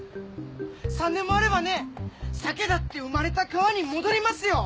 ３年もあればねサケだって生まれた川に戻りますよ！